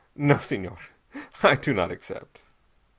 "No, Senhor. I do not accept.